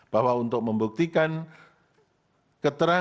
bahwa untuk membuktikan keterangan